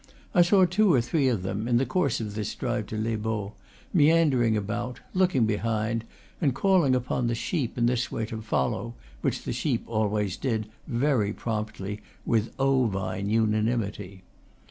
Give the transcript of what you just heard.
I saw two or three of them, in the course of this drive to Les Baux, meandering about, looking behind, and calling upon the sheep in this way to follow, which the sheep always did, very promptly, with ovine unanimity.